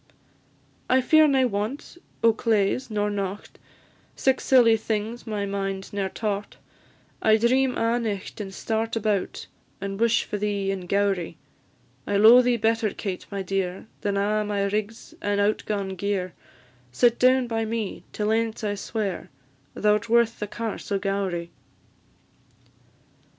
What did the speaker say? "I fear nae want o' claes nor nocht, Sic silly things my mind ne'er taught; I dream a' nicht, and start about, And wish for thee in Gowrie. I lo'e thee better, Kate, my dear, Than a' my rigs and out gaun gear; Sit down by me till ance I swear, Thou 'rt worth the Carse o' Gowrie."